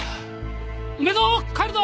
梅蔵帰るぞ！